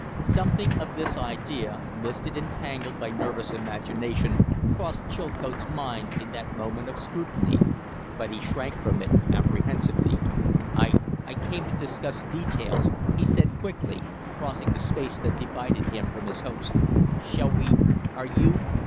Something of this idea, misted and tangled by nervous imagination, crossed Chilcote's mind in that moment of scrutiny, but he shrank from it apprehensively. "I I came to discuss details," he said, quickly, crossing the space that divided him from his host. "Shall we ? Are you